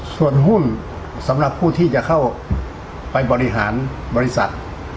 ส่วนหุ้นสำหรับผู้ที่จะเข้าไปบริหารบริษัท